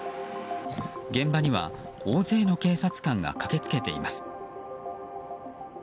現場には大勢の警察官が駆け付けています。